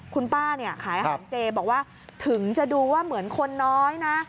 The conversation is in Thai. คุณป้าเนี่ยขายอาหารเจบอกว่าถึงจะดูว่าเหมือนคนน้อยนะ